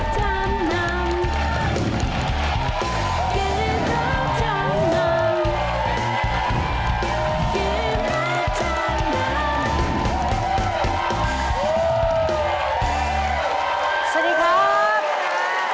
สวัสดีครับ